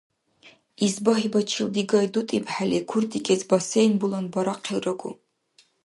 Исбагьибачил дигай дутӀибхӀели куртӀикӀес бассейн-булан барахъилрагу.